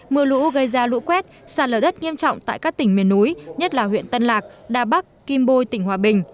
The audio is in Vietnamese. mưa lũ gây ra lũ quét sạt lở đất nghiêm trọng tại các tỉnh miền núi nhất là huyện tân lạc đà bắc kim bôi tỉnh hòa bình